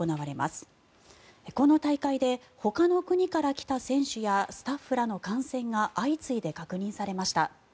この大会でほかの国から来た選手やスタッフらの感染が相次いで確認されました。